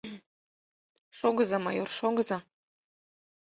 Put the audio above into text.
— Шогыза, майор, шогыза!